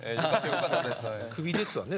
クビですわね